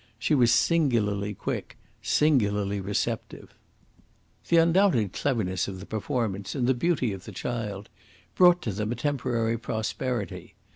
She was singularly quick, singularly receptive. The undoubted cleverness of the performance, and the beauty of the child, brought to them a temporary prosperity.